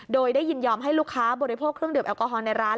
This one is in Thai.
โดยได้ยินยอมให้ลูกค้าบริโภคเครื่องดื่มแอลกอฮอลในร้าน